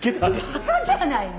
馬鹿じゃないの？